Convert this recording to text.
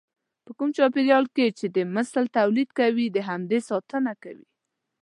په کوم چاپېريال کې چې د مثل توليد کوي د همدې ساتنه کوي.